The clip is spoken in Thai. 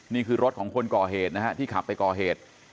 นี่คือรถของคนก่อเหตุนะฮะที่ขับไปก่อเหตุ